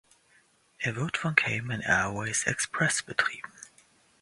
Er wird von Cayman Airways Express betrieben.